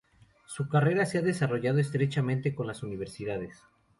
Su carrera se ha desarrollado estrechamente con las universidades.